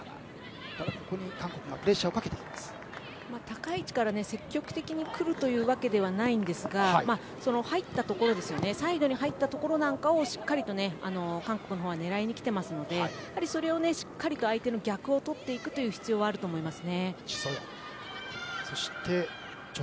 高い位置から積極的に来るというわけではないんですがサイドに入ったところなんかをしっかりと韓国は狙いに来ているのでそれをしっかり相手の逆をとっていく必要はあると思います。